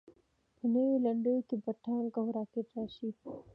په نویو لنډیو کې به ټانک او راکټ راشي.